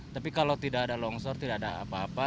tapi kalau tidak ada longsor tidak ada apa apa